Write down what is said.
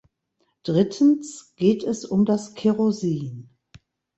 Drittens geht es um das Kerosin.